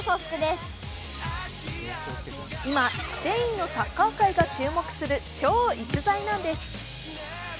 今、スペインのサッカー界が注目する、超逸材なんです。